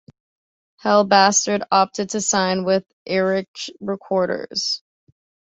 Hellbastard opted to sign with Earache Records.